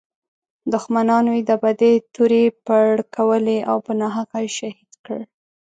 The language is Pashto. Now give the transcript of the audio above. دښمنانو یې د بدۍ تورې پړکولې او په ناحقه یې شهید کړ.